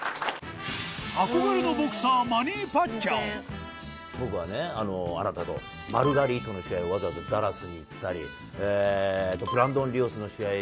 憧れのボクサー僕はあなたとマルガリートの試合わざわざダラスに行ったりブランドン・リオスの試合